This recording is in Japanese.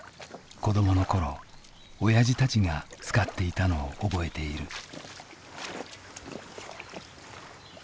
子供の頃おやじたちが使っていたのを覚えている。